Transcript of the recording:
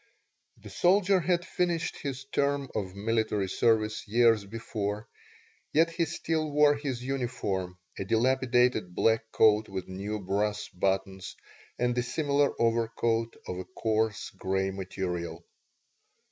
The soldier had finished his term of military service years before, yet he still wore his uniform a dilapidated black coat with new brass buttons, and a similar overcoat of a coarse gray material.